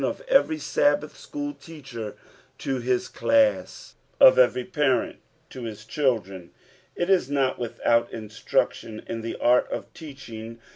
This verae may be the address of every Sabbath school teacher to his class, of every parent to hia children. It is not without instruction in the art of teaching.